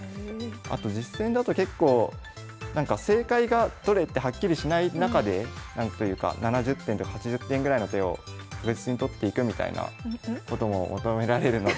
あと実戦だと結構なんか正解がどれってはっきりしない中で何というか７０点とか８０点ぐらいの手を確実にとっていくみたいなことも求められるので。